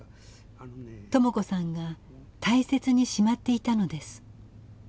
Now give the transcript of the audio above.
朋子さんが大切にしまっていたのです。